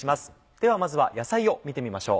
ではまずは野菜を見てみましょう。